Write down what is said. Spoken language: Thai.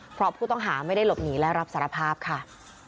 เพราะผู้ต้องหาไม่ได้หลบหนีและรับสารภาพค่ะ